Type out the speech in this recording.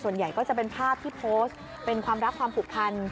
ส่วนใหญ่ก็จะเป็นภาพที่โพสต์เป็นความรักความผูกพัน